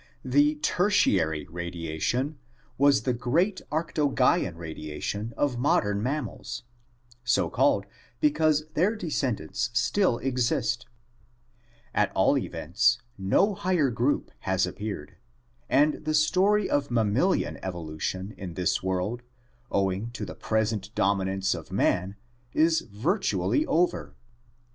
The Tertiary radiation was the great Arctogaean radiation of modernized mammals, so called because their descendants still exist; at all events no higher group has appeared, and the story of mammalian evolution in this world, owing to the present dominance of man, is virtually over.